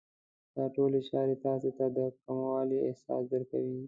دا ټولې چارې تاسې ته د کموالي احساس درکوي.